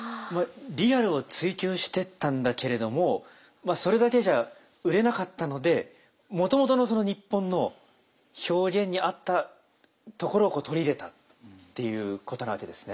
リアルを追求してったんだけれどもそれだけじゃ売れなかったのでもともとのその日本の表現に合ったところを取り入れたっていうことなわけですね。